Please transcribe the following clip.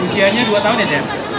usianya dua tahun ya den